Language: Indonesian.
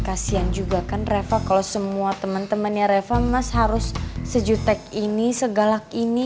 kasian juga kan refa kalau semua temen temennya refa mas harus sejutek ini segalak ini